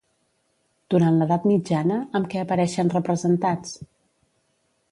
Durant l'edat mitjana, amb què apareixen representats?